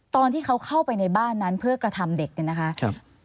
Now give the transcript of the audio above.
ตอนเขาเข้าไปในบ้านกระทำเด็ก